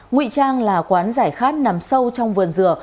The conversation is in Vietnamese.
nguy trang là quán giải khát nằm sâu trong vườn dừa